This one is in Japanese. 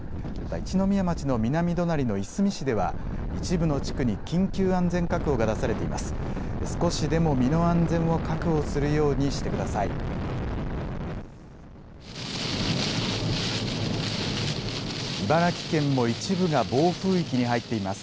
一宮町の南隣のいすみ市では、一部の地区に緊急安全確保が出されています。